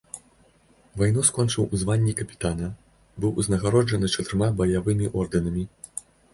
Вайну скончыў у званні капітана, быў узнагароджаны чатырма баявымі ордэнамі.